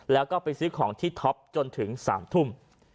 แล้วก็ไปซื้อของที่ท็อปจนถึง๓ทุ่ม